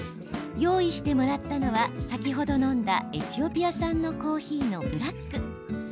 用意してもらったのは先ほど飲んだエチオピア産のコーヒーのブラック。